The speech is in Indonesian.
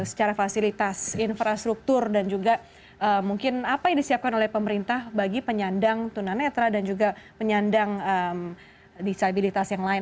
secara fasilitas infrastruktur dan juga mungkin apa yang disiapkan oleh pemerintah bagi penyandang tunanetra dan juga penyandang disabilitas yang lain